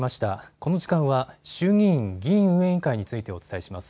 この時間は衆議院議院運営委員会についてお伝えします。